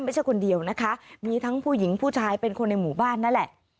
ไม่ใช่คนเดียวนะคะมีทั้งผู้หญิงผู้ชายเป็นคนในหมู่บ้านนั่นแหละ